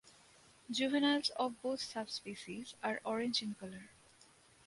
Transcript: Juveniles of both subspecies are orange in color.